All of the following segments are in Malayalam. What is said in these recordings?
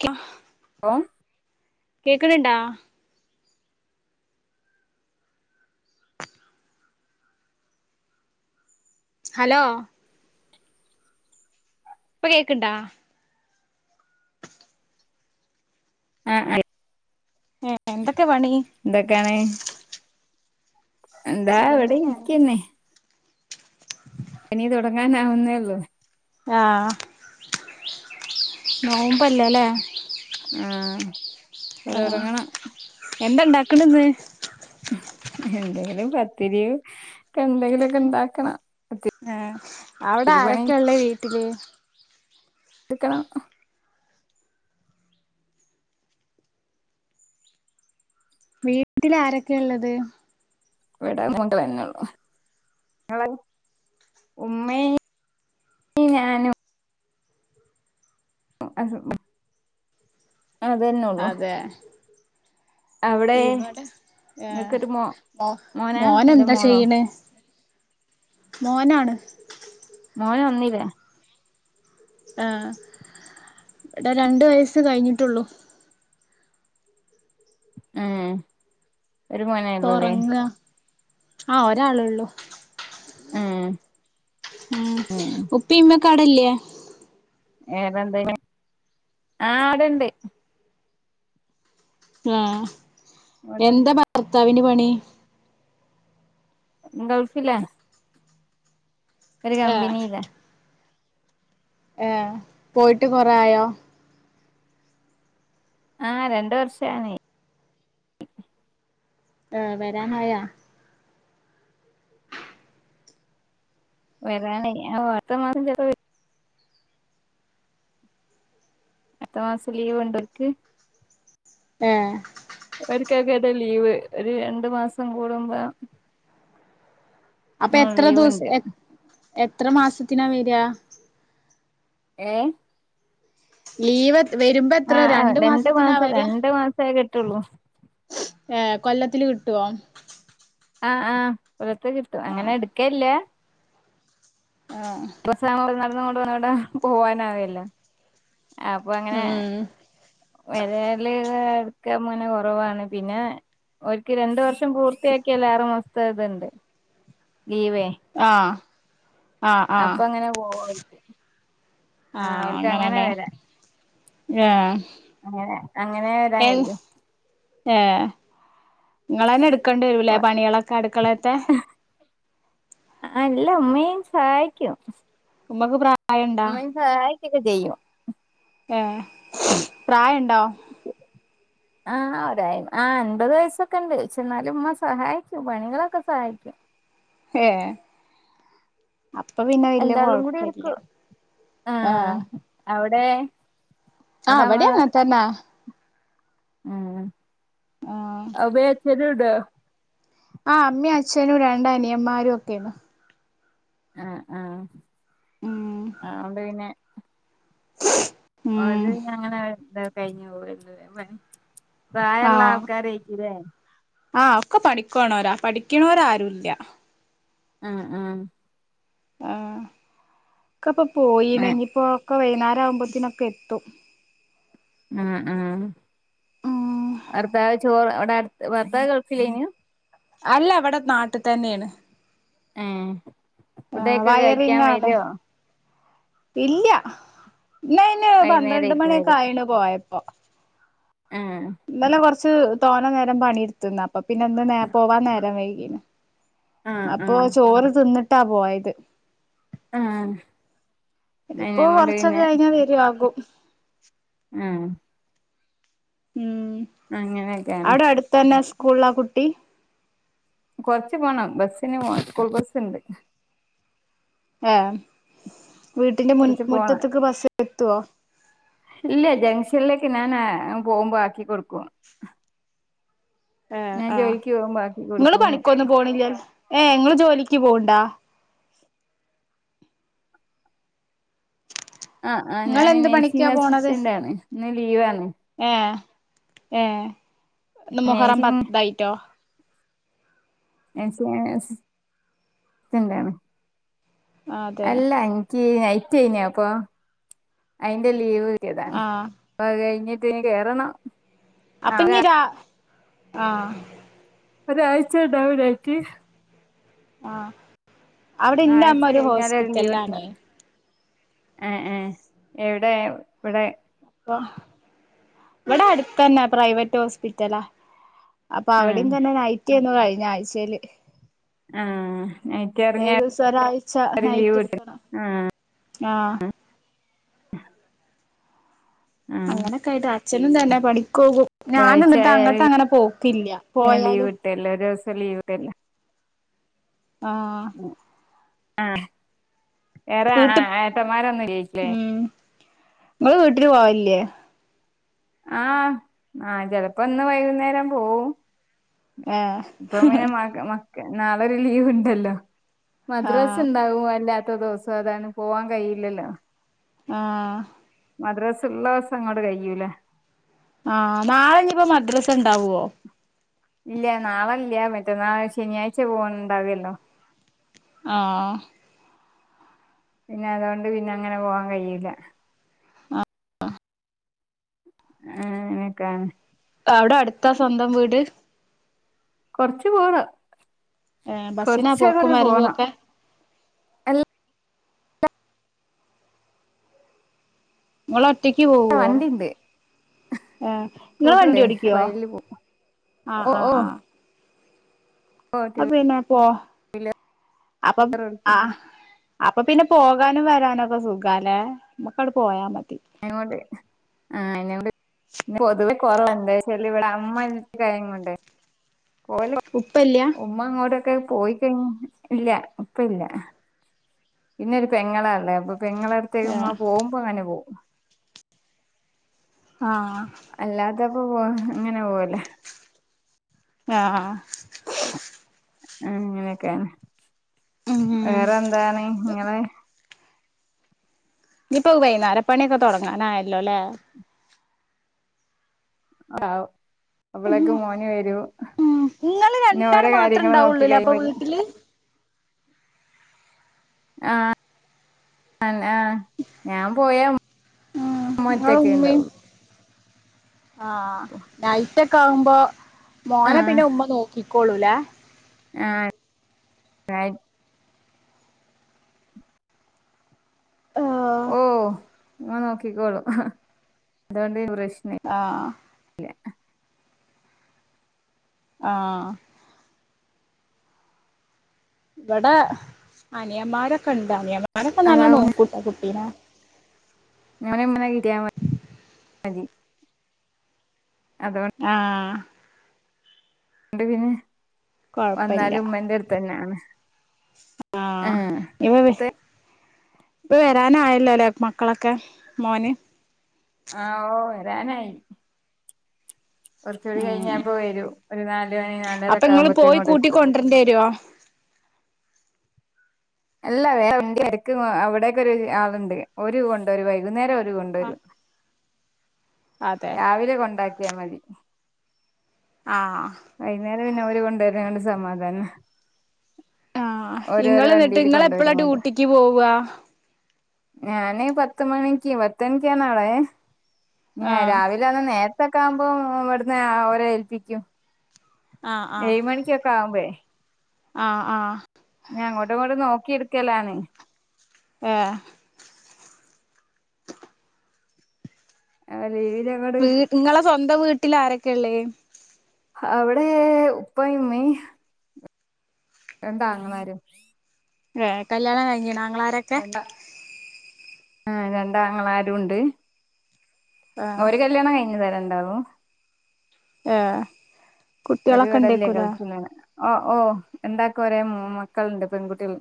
ക്ല ഓ കേക്കാണ് ഇണ്ടേ ഹലോ ഇപ്പൊ കേക്കണ്ടാ ആഹ് ഹ് ഏഹ് എന്തൊക്കെ പണി എന്തൊക്കെയാണ് എന്താ സുഖം എവിടെ തന്നെയാണ് ഇരിക്കാന്നെ ഇനി തുടങ്ങാനാവുന്നേ ഉള്ളു ആഹ് നോമ്പ് അല്ലേലെ ആഹ് ഇപ്പൊ തെടങ്ങണം എന്ത് ഇണ്ടാക്കണത് എന്തെങ്കിലും പത്തിരിയോ എന്തെങ്കിലുമൊക്കെ ഇണ്ടാക്കണം ആഹ് അവിടെ ആരൊക്കെയ ഉള്ളേ വീട്ടില് എടുക്കണം വീട്ടിൽ ആരൊക്കെ ഉള്ളത് ഇവിടെ മുത്ത പെങ്ങള് അവിടയോ ഉമ്മേ ഇ ഞാനും അതെന്നൊള്ളോ അതെ അവിടെ ആഹ് മോ മോനാ അല്ല മോനെന്താ മോളോ ചെയ്യണെ മോനാണ് മോന് ഒന്നില ആഹ് ടെ രണ്ട് വയസ്സ് കഴിഞ്ഞിട്ടെള്ളു മ് ഒരു മോനെ ഇപ്പൊ ഉള്ളൂല്ലേ ഉറങ്ങ ആഹ് ഒരാളെള്ളൂ ആഹ് ഉം ഉപ്പി ഇമ്മക്കാടല്ലേ ഏറെന്തെന്നു ആഹ് ഇടെണ്ട് ആഹ് ഇവിടെണ്ട് എന്താ ഭർത്താവിന് പണി ഗൾഫിലാ ഒരു ഏഹ് കമ്പിനില ഏഹ് പോയിട്ട് കൊറേ ആയോ ആഹ് രണ്ട് വർഷം ആണ് ഏഹ് വരാറായോ വരാൻ ഒ അടുത്ത മാസം ചിലപ്പോ വരും അട്ത്ത മാസം ലീവ് ണ്ടോൽക്ക്‌. ആഹ് ഒരിക്കെ ക്കെട്ടാ ലീവ് ഒര് രണ്ടു മാസം കൂടുമ്പം അപ്പൊ എത്ര ദൂസ് എത് എത്ര മാസത്തിനാ വെരാ? ഏഹ് ലീവ് വെരുമ്പെത്ര രണ്ടു മാസത്തിനാ വെരാ? ട്ടോള്ളൂ. ഏഹ് കൊല്ലത്തില് കിട്ടോ? ആഹ് ആഹ് കൊല്ലത്ത് കിട്ടും അങ്ങനെട്ക്കേല്ല. ആഹ് രസ [unintelligible] പോവാനാവല്ല അപ്പ അങ്ങനെ ഉം വരല് [unintelligible] ക്ക മൊനെ കൊറവാണ് പിന്നെ ഒൽക്ക് രണ്ടു വർഷം പൂർത്തിയാക്ക്യാല് ആറു മാസത്തെ ത്ണ്ട് ലീവേ. ആഹ് ആഹ് അപ്പ ങ്ങനെ പോവോൽക്ക്. ആഹ് അങ്ങനെല്ലെ ആഹ് അങ്ങനെ അങ്ങനെ വെരാൻ എ കയ്യൂ. ഇങ്ങളെന്നെ ട്ക്കേണ്ടി വരൂലേ ആ പണ്യേളൊക്കെ അട്ക്കളേത്തെ. അല്ല ഉമ്മിം സഹായിക്കും. ഉമ്മക്ക് പ്രായണ്ടാ? ഇക്കെ ചെയ്യും. ഏഹ് പ്രായണ്ടോ? ആഹ് ഒരയ് ആഹ് അൻപത് വയസ്സൊക്കെണ്ട് ക്ഷേ ന്നാലും ഉമ്മ സഹായിക്കും പണികളൊക്കെ സഹായിക്കും. ഏഹ് അപ്പ പിന്നെ വെല്യെ രണ്ടാളും കൂടി കൊഴപ്പല്ല. എടുക്കും ആഹ് അവിടെ ആഹ് അവിടെ അമ്മ അവിടെയങ്ങതന്ന ഉം ആഹ് ആമയും അച്ചനും ഉണ്ട ആഹ് അമ്മയും അച്ഛനും രണ്ടനിയമാരും ഒക്കെയാണ് ആഹ് ആഹ് ഉം ആഓണ്ട് പിന്നെ ഉം ഒരു ങ്ങനെ എന്താ കഴിഞ്ഞു [unintelligible] പണി പ്രായള്ള ആഹ് ആൾക്കാര് ആയിക്കുല്ലേ ആഹ് ഒക്കെ പണിക്കു പോണരവാ പഠിക്കണവർ ആരുല്ല ആഹ് ആഹ് ആഹ് ഇക്കപ്പൊ പോയിണെങ്കിപ്പോ ക്കെ വൈകുന്നേരം ആകുമ്പത്തിനൊക്കെ എത്തും ഉം ഉം ഉം ഭർത്താവ് ചോറ് അവിടെ അടുത്ത് ഭർത്താവ് ഗൾഫിലെനു അല്ല അവിടെ നാട്ടിൽ തന്നെയാണ് ഏയ് അഹ് വയറിങ്ങാണ് ഇല്ല ഇന്ന ഇന് പന്ത്രണ്ട് വൈകുന്നേരായിരിക്കും വര മണിയൊക്കെ ആയിണ് പോയപ്പോ ആഹ് ഇന്നലെ കൊറച്ച് തോന്ന നേരം പണി ഇടുത്തുന്ന അപ്പൊ പിന്നെ ഒന്ന് നേ പോവാൻ നേരം വൈകീന് ആഹ് അപ്പൊ ആഹ് ചോറ് തിന്നിട്ടാ പോയത് ആഹ് ഇനിയിപ്പോ അയിനെകൊണ്ട് കുറച്ചൊക്കെ കഴിഞ്ഞാൽ വരുയാപും ഉം ഉം അങ്ങനെയൊക്കെയാണ് കൂളിലാ കുട്ടി കൊറച്ച് പോണം ബസ്സിന് പോണം സ്കൂൾ ബസുണ്ട് ഏ വീട്ടിന്റ മുൻ കൊറച്ച് പോണം മുറ്റത്തക്ക് ബസ് എ എത്തോ ഇല്ല ജംഗ്ഷനിലേക്ക് ഞാൻ പോകുമ്പോ ആക്കി കൊടുക്കും ഏ ഞാൻ ജോലിക്ക് പോകുമ്പോ ആക്കി ആനിങ്ങള് കൊടുക്കും പണിക്കൊന്നും പോണില്ല ഏഞങ്ങള്ൾ ജോലിക്ക് പോണ്ടാ ആ ആ് ഞാന് ഇങ്ങളെന്ത് നേഴ്സിംഗ അസിസ്റ്റന്റ്ണ് ഇന്ന് ലീവണ് ആഏ ഏ മഹറ നേഴ്സിംഗ് പത്തായിട്ടോ നഴ്സിംഗ് അസിസ്റ്റന്റ് ആണ് അതെ അല്ല എനിക്ക് നൈറ്റ്ന അപ്പൊ അയിന്റെ ലീവ് കേറിയതാണ് ആഹ് അപ്അത് കൈ ഞ്ഞിട്ട് ഇനി കേറണോ അപ്പൊ ഇ രാ ആഹ ഒരാഴ്ച്ച ഉണ്ടാവില്ലേ നിക്ക് ആഹ് ആഅവിടെന്റെ അമ്മ ഒരു ഹോസ്പിറ്റലി ആണേ ആ ആ എവിടെ ഇവിടെ അ ഇവിടെ അടുത്തന്നെ പ്രൈവറ്റ് ഹോസ്പിറ്റലാ അപ്പൊ അവിടെയും ആഹ് തന്നെ നൈറ്റ് ആയിരുന്നു കഴിഞ്ഞ ആഴ്ചയിൽ ആഹ് നൈറ്റ് ഇറങ്ങിയ ഏഴു ദിവസം ഒരാഴ്ച്ച ഒരു ലീവ് നൈറ്റ് കിട്ടും എടുക്കണം ആഹ് ആ ആഹ് അങ്ങനെൊക്കൊയിയിട്ട് അച്ഛനും തന്നെ പണി ഞാന ഒരാഴ്ച ഇങ്ങിട്ട് ആയാല് അങ്ങട്ട് അങ്ങനെ പോക്കില്ല പിന്നെ ലീവ് പോയാലും കിട്ടുവല്ലോ ഒരു ദിവസം ലീവ് തരൂല ആ ആ വേറെ ആ വീട്ട് ഏട്ടന്മാരൊന്നും ഇല്ലേ നിങ്ങള് വീട്ടില് പോവില്ലേ ആഹ് ആചിലപ്പോ ഒന്ന് വൈകുന്നേരം പോവും ഏഹ് ഇപ്പ പിന്നെ മക മക്ക നാളെൊരു ലീവ് ഉണ്ടല്ലോ മദ്രാസ ആഹ് ഉണ്ടാവുമ അല്ല പത്ത ദിവസം അതാണ് പോവാൻ കഴിയില്ലല്ലോ ആ മദ്രാസ ഉള്ള ദിവസം അങ്ങോട്ട് കഴൂലേ ആഹനാളെഞ്ഞപ്പോ മദ്രസ ഉണ്ടാവുവോ ഇല്ല നാളല്ല മറ്റന്നാൾ ശനിയാഴ്ച പോണ്ടാവല്ലോ ആ പിന്നെ അതൊണ്ട് പിന്ന അങ്ങനെ പോവാൻ കഴിയില്ല ആഹ് ആ അനെക്കാണ് അവിടെ അടുത്താ സ്വന്തം വീട് കൊറച്ച്പോണ് ഏഹ് ബസ്സിനാ പോക്കും കൊറച്ചകടെ വരവും പോണം ഒക്കെ അല്ല ഓള ഒറ്റക്ക് പോകുവോ വണ്ടിണ്ട് ആഏ നിങ്ങ വണ്ടി സ്കൂട്ടറില്ലേ അപ്പൊ ഓടിക്കുവോ അയില് പോവും ആ ഓ ആ ഓ ആ ഓ ടു അ പിന്നെപ്പൊ അപ്പൊ വീലർ ആ ഓടിക്കും അപ് അപ്പൊ പിന്നെ പോകാനും വരാനുംക്കെ സുഖല്ലേ നമുക് അങ്ങട് പോയാ മതി അയിനോണ്ട് ആ എന്ന ടെ പൊതുവെ കുറവാ എന്താ ചാല് അമ്മകഴങ്ങ് ണ്ടേ പോലോ ഉപ്പല്ല്യ ഉമ്മ അങ്ങോട്ടൊക്കെ പോയിക്കഴി ഇല്ല ഇപ്പ ഇല്ല പിന്നെ ഒരു പെങ്ങളാ ഉള്ളത് അപ്പൊ പെങ്ങളുടെ അടുത്ത് ഏഹ് പോകുമ്പോൾ അങ്ങനെ പോകും ആ അതപ്പോ പോ അങ്ങനെ പോവല്ലേ ആ ഉ അങ്ങനെയൊക്കെയാണ് ഉം വേറെന്താണ് നിങ്ങെളെ ഇനിപ്പോ വൈകുന്നേരപ്പണിയൊക്കെ തുടങ്ങാനായല്ലോ ല്ലേ ആ അവവിളക്കെ മോന് വരൂ ഇങ്ങള് പിന്നെ രണ്ടാള് ഓരോ മാത്രം കാര്യങ്ങള് നോക്കി ഇണ്ടാവുള്ളൂല്ലേ അപ്പൊ കഴിയുമ്പള കിന് വീട്ടില് ആഹ അ ആഹ ഞാൻ പോയാ ഉം അമ്മറ്റൊക്കെ ഉണ്ടാവുള്ളു ആഹ നൈറ്റൊക്കെ ആകുമ്പോ ആ മോനെ പിന്നെ ഉമ്മ നോക്കിക്കോളൂലെ ആഹ ആ ഓ അങ്ങ നോക്കിക്കോളും എന്തുകൊണ്ട് ആഹ ആഹ ഇവിടെ അനിയന്മാരൊക്കെ ഉണ്ട് അനിയന്മാരൊക്കെ നല്ല അതാവും നോക്കൂട്ടാ കുട്ടീനെ ഞന കിട്ടിയാൽ മതി അതുകൊണ്ട് ആഹ ണ്ട് പിന്നെ വന്നാലും ഉമ്മന്റെ അടുത്ത് തന്നെയാണ് ആ ആഹ ഇവ ഇപ്പൊ വരാന ആയല്ലോല്ലേ മക്കളൊക്കെ മോന് ആഹ ഓ വരാനായി കുറച്ചുകൂടി കഴിഞ്ഞ ഉം പോ വരും ഒരു നാലു മണി അപ്പൊ നാലരൊക്കെ ഇങ്ങള് ആവുമ്പോത്തേ പോയി ഇങ്ങോടെ കൂട്ടി എത്തും കൊണ്ടരേണ്ടി വരുവോ എല്ലാ വേറെരക്ക് അവിടെക്കെ ഒരു ആളുണ്ട് ഒരു കൊണ്ട ഒരു വൈകുന്നേരം രും അതെ രാവിലെ കൊണ്ടാക്കിയാ മതി ആ വൈകുന്നേരം പിന്നെ ഒര് കൊണ്ടരുന്നണ്ട് സമാധാനം ആഹ് ഓരോരോ ഇങ്ങള് എന്നിട്ട് വണ്ടിയില് ഇങ്ങള് എപ്പളാ കൊണ്ടുവരുമോ അതെ ഡ്യൂട്ടിക്ക് പോവാ ഞാന് പത്ത് മണിക്ക് പത്ത് മണിക്കാന്നാളെ ഞാൻ ആഹ് രാവിലെ ആന്ന നേര ക്കെ ആവുമ്പോ ഇവിടന്ന് ഓര ഏൽപ്പിക്കും ഏഴ മണിക്കൊക്കെ ആകുമ്പേ ആഹ ആഹ ഞൻ അങ്ങോട്ടും ഇങ്ങോട്ടും നോക്കി എടുക്കലാണ് ആഏ ആ ലീവിലങ്ങട് വീ ഇങ്ങളെ സ്വന്തം വീട്ടിൽ ആരൊക്കെയ ഉള്ളേ അവിടെ ഉപ്പയും ഉമ്മേ രണ്ട് ആങ്ങള മാരും ഏ കല്യാണം കഴിഞ്ഞിനാ ആങ്ങള മാരൊക്കെ ആ രണ്ടാങ്ങളമാരും ഉണ്ട് ഏഹ് ഒര് കല്യാണം കഴിഞ്ഞു തരം ഇണ്ടാവു ഏഹ് ഒര് കുട്ടികളൊക്കെ ഇവിടല്ലേ ഉണ്ടേക്കൂലേ ഗൾഫിലാണ് ഓ രണ്ടാക്ക ഒരേ മക്കളുണ്ട് പെൺകുട്ടികൾ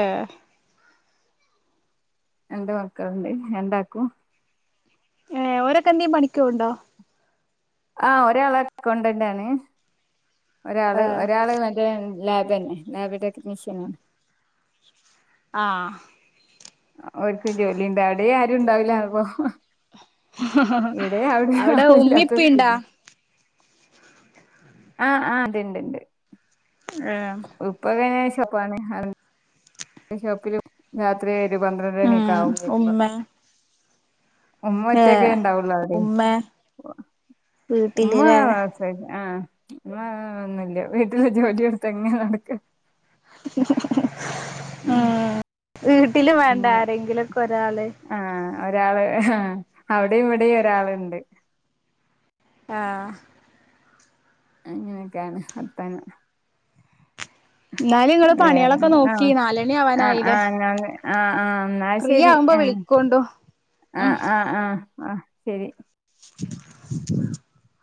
ഏ രണ്ട് മക്കളുണ്ട് രണ്ടാൾക്കും ഏ ഓരൊക്കെന്തീ പണിക്കൂ പോകുന്നുണ്ടോ ആ് ഒരാള് അക്കൗണ്ടന്റാണ് ഒരാള് ആഹ് ഒരാള് മറ്റേ ലാബ് തന്നെ ലാബ് ടെക്നീഷ്യൻ ആണ് ആഹ ഒക്ക ജോലി ഉണ്ട അവിടെ ആരും ഉണ്ടാവില്ല അപ്പ അവിടെ ആളില്ലാത്ത ഉമ്മിപ്പുണ്ടാ സ്ഥിതി ആഹ് ആഹ ഇത്ണ്ട് ഇണ്ട് ഏഹ് ഉപ്പ ഷോപ്പാണ് ഷോപ്പിലും രാത്രി ഒരു പന്ത്രണ്ട ഉം മണിയക്ക ആവും വരുമ്പോ ഉമ്മേ ഉമ്മ ഒറ്റൊക്കെ ഏഹ് ഇണ്ടാവുള്ള അവിടെ ഉമ്മേ ഉമ്മ വീട്ടില് ല്ലേ ആസായി ആഹ ആ ഒന്നില്ല വീട്ടില് ജോലി എടുത്ത് എങ്ങനെ നടക്ക [unintelligible] ഉം വീട്ടിലും വേണ്ടെ അങ്ങനെ ആരെങ്കിലുമൊക്കെ ഒരാള് ആഹ് ഒരാള് ആ അവിടെയും ഇവിടെയും ഒരാളുണ്ട് ആഹ അങ്ങനെയൊക്കെയാണ് വർത്താനം എന്നാലും ഇങ്ങള് വേറെ പണികളൊക്കെ ആഹ നോക്കി നാലണി ആഹ ആവാനായില്ലേ ആഹ ഞ ആഹ ആഹ എന്ന എന്നാ ഫ്രീ ശരി ആവുമ്പോ ആഹ വിളിക്കോണ്ടു ഉം ആ ആഹ് ആഹ ആഹ ശരി [unintelligible]